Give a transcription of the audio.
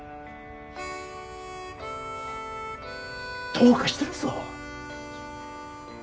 どうかしてるぞ！？